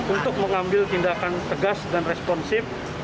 untuk mengambil tindakan tegas dan responsif